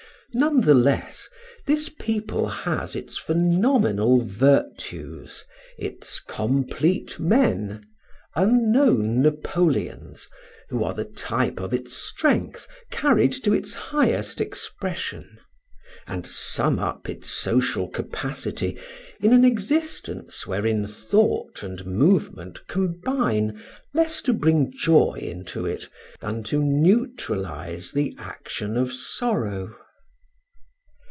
None the less, this people has its phenomenal virtues, its complete men, unknown Napoleons, who are the type of its strength carried to its highest expression, and sum up its social capacity in an existence wherein thought and movement combine less to bring joy into it than to neutralize the action of sorrow.